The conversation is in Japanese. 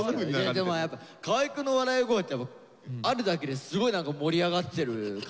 でもやっぱ河合くんの笑い声ってあるだけですごい何か盛り上がってる感じになるじゃないですか。